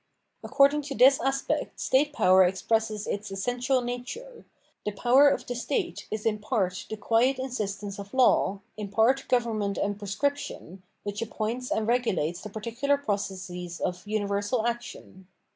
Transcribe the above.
According to this aspect state power expresses its essential nature : the power of the state is in part the quiet insistence of law, in part government and prescription, which appoints and regulates the particular processes of universal action.